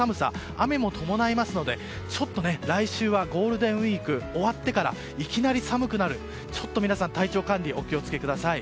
雨も伴いますので来週、ゴールデンウィークが終わってからいきなり寒くなるのでちょっと皆さん、体調管理お気を付けください。